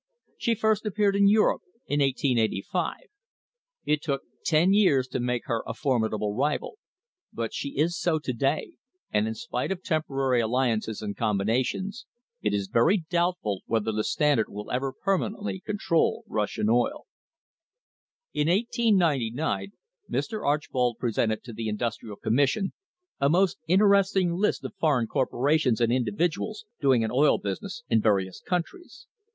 She first appeared in Europe in 1885. I* to k ten years to make her a formidable rival, but she is so to day, and, in spite of temporary alliances and combinations, it is very doubt ful whether the Standard will ever permanently control Rus sian oil. In 1899 Mr. Archbold presented to the Industrial Commis sion a most interesting list of foreign corporations and indi viduals doing an oil business in various countries.